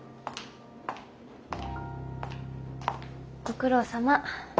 ご苦労さま。